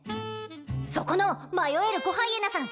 そこの迷える子ハイエナさん